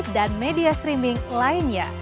dan media streaming lainnya